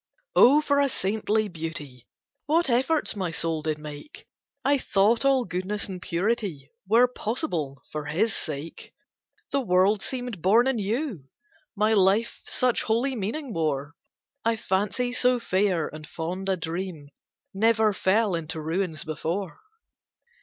Oh for a saintly beauty, What efforts my soul did make; I thought all goodness and purity Were possible for his sake; The world seemed born anew, my life Such holy meaning wore, I fancy so fair and fond a dream Never fell into ruins before.